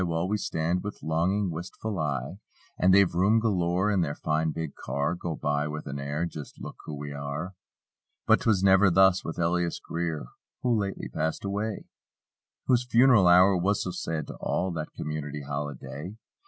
While we stand with longing, wistful eye; And they've room galore in their fine big car. Go by with an air: "Just look who we are." But 'twas never thus with Elias Greer, (Who lately passed away) Whose funeral hour was so sad to all— That community holiday!